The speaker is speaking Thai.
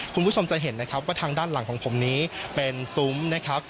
คุณผู้ชมจะเห็นนะครับว่าทางด้านหลังของผมนี้เป็นซุ้มนะครับ